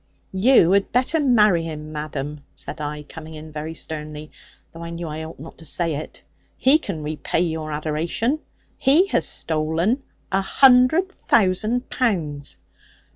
'You had better marry him, madam,' said I, coming in very sternly; though I knew I ought not to say it: 'he can repay your adoration. He has stolen a hundred thousand pounds.'